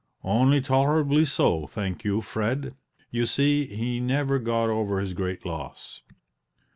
"Only tolerably so, thank you, Fred; you see, he never got over his great loss."